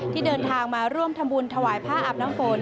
ที่เดินทางมาร่วมทำบุญถวายผ้าอาบน้ำฝน